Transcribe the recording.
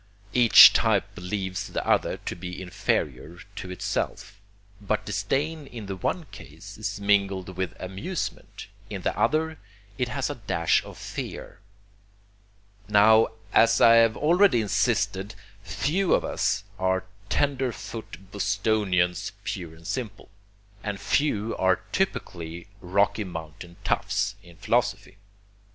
Each type believes the other to be inferior to itself; but disdain in the one case is mingled with amusement, in the other it has a dash of fear. Now, as I have already insisted, few of us are tender foot Bostonians pure and simple, and few are typical Rocky Mountain toughs, in philosophy.